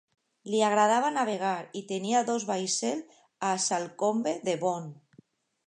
Li agradava navegar, i tenia dos vaixells a Salcombe, Devon.